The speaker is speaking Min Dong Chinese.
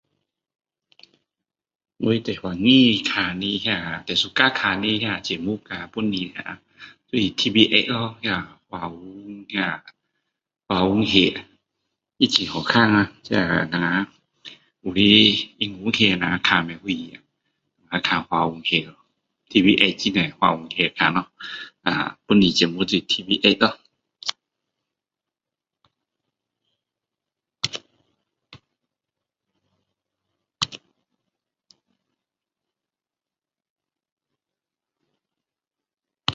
我最欢喜看的那最喜欢看的那节目啊本地啊就是TV8咯那华文那华文戏它很好看啊这我们有些英文戏我们看不明白要看华文戏TV8很多华文戏看咯啊本地节目就是TV8咯